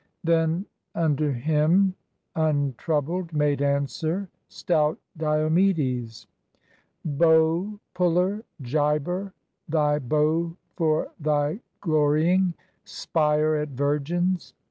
Then unto him untroubled made answer stout Diomedes: "Bow puller, jiber, thy bow for thy glorying, spyer at virgins!